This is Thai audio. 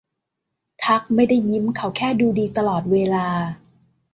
ทักซ์ไม่ได้ยิ้มเขาแค่ดูดีตลอดเวลา